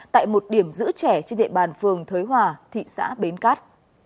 tại một điểm giữ trẻ trên địa bàn phường thới hòa thị xã bến cát